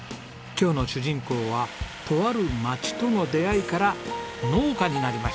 今日の主人公はとある町との出会いから農家になりました。